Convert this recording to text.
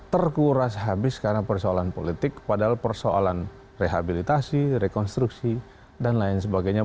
terkuras habis karena persoalan politik padahal persoalan rehabilitasi rekonstruksi dan lain sebagainya